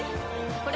これ！